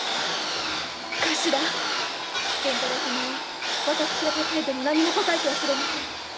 頭源太郎様は私が尋ねても何も答えてはくれません。